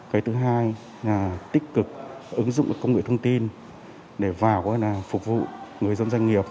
cái thứ hai là tích cực ứng dụng công nghệ thông tin để vào phục vụ người dân doanh nghiệp